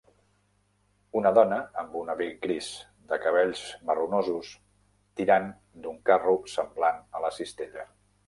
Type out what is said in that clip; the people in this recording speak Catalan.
Una dona amb un abric gris, de cabells marronosos, tirant d'un carro semblant a la cistella.